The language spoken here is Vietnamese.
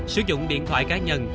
sử dụng điện thoại cá nhân